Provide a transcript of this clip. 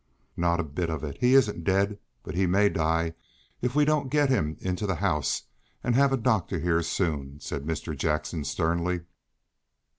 "Not a bit of it. He isn't dead, but he may die, if we don't get him into the house, and have a doctor here soon," said Mr. Jackson sternly.